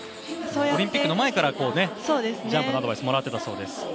オリンピックの前からジャンプのアドバイスをもらっていたそうです。